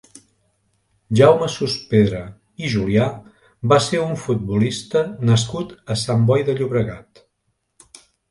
Jaume Sospedra i Julià va ser un futbolista nascut a Sant Boi de Llobregat.